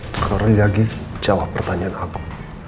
sekali lagi jawab pertanyaan aku